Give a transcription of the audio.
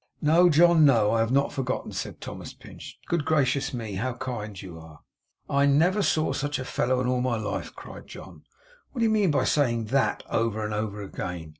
'No, John, no. I have not forgotten,' said Thomas Pinch. 'Good gracious me, how kind you are!' 'I never saw such a fellow in all my life!' cried John. 'What do you mean by saying THAT over and over again?